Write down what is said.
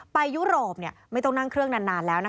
ยุโรปไม่ต้องนั่งเครื่องนานแล้วนะคะ